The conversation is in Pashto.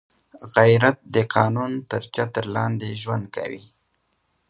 غیرت د قانون تر چتر لاندې ژوند کوي